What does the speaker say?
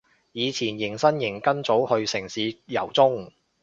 以前迎新營跟組去城市遊蹤